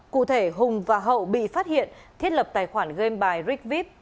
cụ thể hùng và hậu bị phát hiện thiết lập tài khoản game by rigvip